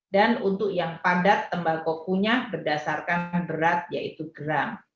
dan untuk yang padat tembakau kunyah berdasarkan berat yaitu gram